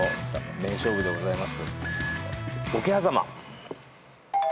名勝負でございます。